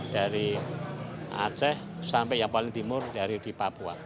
dari aceh sampai yang paling timur dari di papua